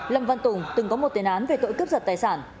lâm văn tùng từng có một tên án về tội cấp giật tài sản